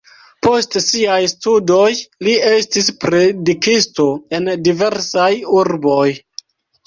Post siaj studoj li estis predikisto en diversaj urboj.